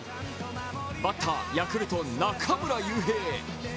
バッター、ヤクルト・中村悠平。